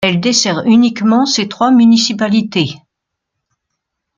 Elle dessert uniquement ces trois municipalités.